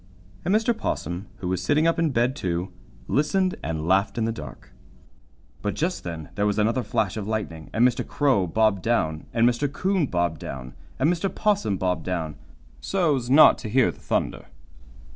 And Mr. 'Possum, who was sitting up in bed, too, listened and laughed in the dark. But just then there was another flash of lightning, and Mr. Crow bobbed down, and Mr. 'Coon bobbed down, and Mr. 'Possum bobbed down, so's not to hear the thunder.